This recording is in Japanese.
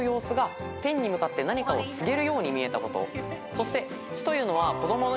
そして。